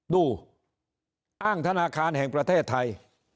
ดูอ้างธนาคารแห่งประเทศไทย